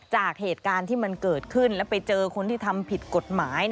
จากเหตุการณ์ที่มันเกิดขึ้นแล้วไปเจอคนที่ทำผิดกฎหมาย